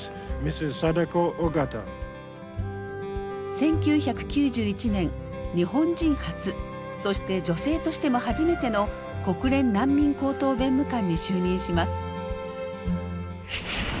１９９１年日本人初そして女性としても初めての国連難民高等弁務官に就任します。